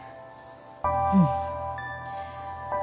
うん。